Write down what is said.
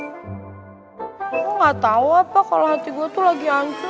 gue gak tau apa kalo hati gue tuh lagi ancur